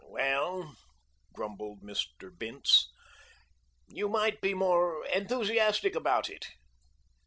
"Well," grumbled Mr. Bince, "you might be more enthusiastic about it."